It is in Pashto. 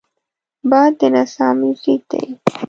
باد د نڅا موزیک دی